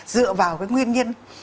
dựa vào cái nguyên nhân